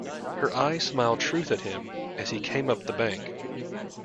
Her eyes smiled truth at him as he came up the bank.